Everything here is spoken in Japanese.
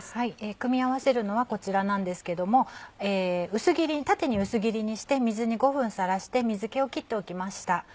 組み合わせるのはこちらなんですけども縦に薄切りにして水に５分さらして水気を切っておきました。